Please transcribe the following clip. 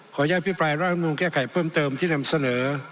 ขออย่างพี่ปลายร่างงงแก้ไขเพิ่มเติมที่นำเสนอ